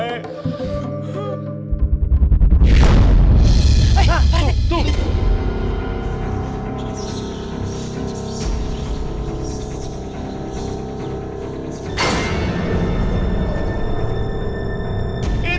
eh pak rete